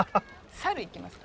猿行きますか？